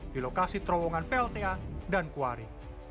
di lokasi terowongan plta dan kuari